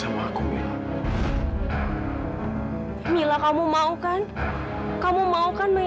mas kamu mau apa dong